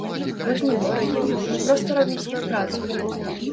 Мы ж не ворагі, мы проста робім сваю працу.